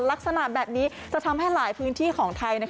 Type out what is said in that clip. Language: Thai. ลักษณะแบบนี้จะทำให้หลายพื้นที่ของไทย